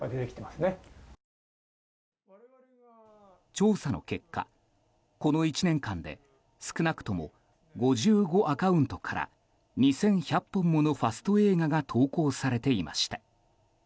調査の結果この１年間で、少なくとも５５アカウントから２１００本ものファスト映画が投稿されていました。